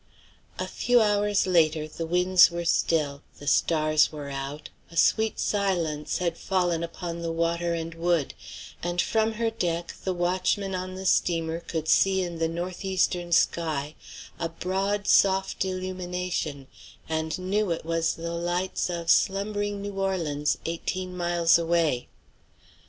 A few hours later the winds were still, the stars were out, a sweet silence had fallen upon water and wood, and from her deck the watchmen on the steamer could see in the north eastern sky a broad, soft, illumination, and knew it was the lights of slumbering New Orleans, eighteen miles away.